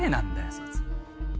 そいつ。